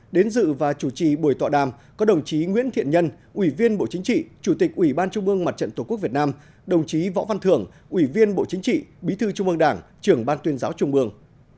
đến dự và chủ trì buổi tọa đàm có đồng chí nguyễn thiện nhân ủy viên bộ chính trị chủ tịch ủy ban trung mương mặt trận tổ quốc việt nam đồng chí võ văn thưởng ủy viên bộ chính trị bí thư trung ương đảng trưởng ban tuyên giáo trung ương